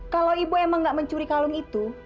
kalau ibu emang gak mencuri kalung itu